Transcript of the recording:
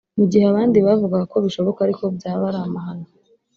Mu gihe abandi bavugaga ko bishoboka ariko ko byaba ari amahano